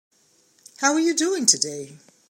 How are you doing today?